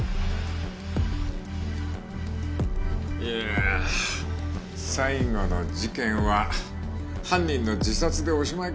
いやあ最後の事件は犯人の自殺でおしまいか。